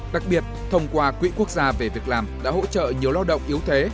đặc biệt thông qua quỹ quốc gia về việc làm đã hỗ trợ nhiều lao động yếu thế